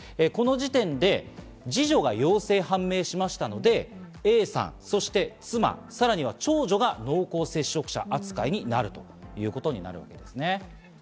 この時点で二女の陽性が判明しましたのでＡさん、そして妻、さらには長女が濃厚接触者扱いになるということになるわけです。